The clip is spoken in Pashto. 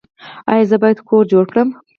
ایا زه باید کور جوړ کړم؟